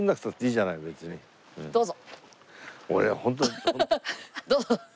どうぞ。